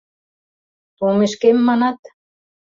— Толмешкем, манат...